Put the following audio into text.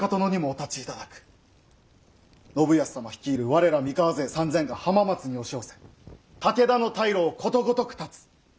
信康様率いる我ら三河勢３，０００が浜松に押し寄せ武田の退路をことごとく断つ。